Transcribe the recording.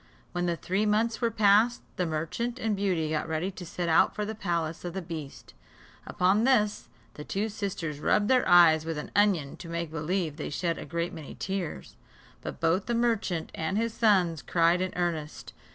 When the three months were past, the merchant and Beauty got ready to set out for the palace of the beast. Upon this, the two sisters rubbed their eyes with an onion, to make believe they shed a great many tears; but both the merchant and his sons cried in earnest.